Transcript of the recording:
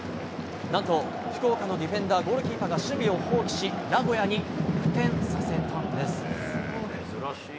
なんと、福岡のディフェンダー、ゴールキーパーが守備を放棄し、名古屋に得点させたんです。